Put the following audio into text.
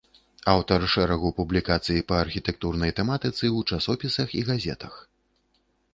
Аўтар шэрагу публікацый па архітэктурнай тэматыцы ў часопісах і газетах.